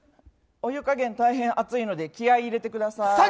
お湯加減、大変熱いので気合い入れてください。